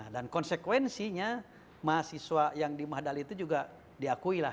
dan konsekuensinya mahasiswa yang di mahdali itu juga diakui lah